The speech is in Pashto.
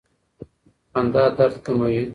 خندا درد کموي.